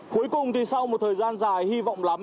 cuối cùng thì sau một thời gian dài hy vọng lắm